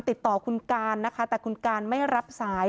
ติดต่อคุณการนะคะแต่คุณการไม่รับสาย